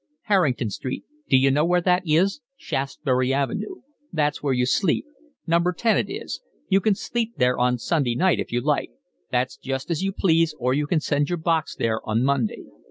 "Harrington Street, d'you know where that is, Shaftesbury Avenue. That's where you sleep. Number ten, it is. You can sleep there on Sunday night, if you like; that's just as you please, or you can send your box there on Monday."